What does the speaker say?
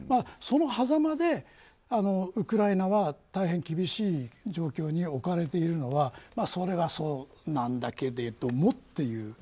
そのはざまでウクライナは大変厳しい状況に置かれているのはそれはそうなんだけれどもという。